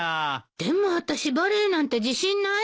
でもあたしバレーなんて自信ないわよ。